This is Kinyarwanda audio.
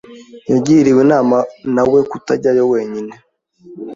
Yagiriwe inama na we kutajyayo wenyine.